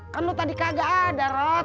kan lu tadi kagak ada rod